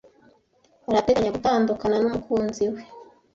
Arateganya gutandukana numukunzi we.